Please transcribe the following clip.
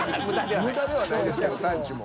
無駄ではないですけどサンチュも。